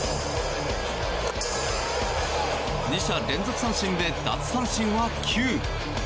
２者連続三振で奪三振は９。